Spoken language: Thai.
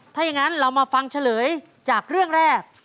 ถ้าอย่างนั้นเรามาฟังเฉลยจากเรื่องแรก